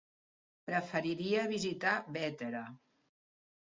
Preferiria visitar Bétera.